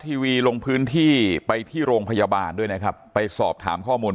ทีวีลงพื้นที่ไปที่โรงพยาบาลด้วยนะครับไปสอบถามข้อมูล